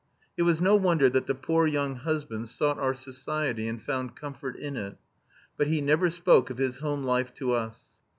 It was no wonder that the poor young husband sought our society and found comfort in it. But he never spoke of his home life to us.